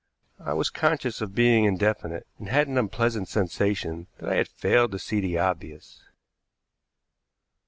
I was conscious of being indefinite, and had an unpleasant sensation that I had failed to see the obvious.